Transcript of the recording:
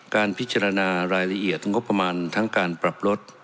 การพิจารณารายละเอียดงบประมาณทั้งการปรับลด